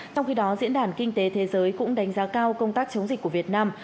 trong khi đó diễn đàn kinh tế thế giới cũng đánh giá cao công tác chống dịch của việt nam